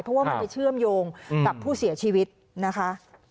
เพราะว่ามันไปเชื่อมโยงกับผู้เสียชีวิตนะคะ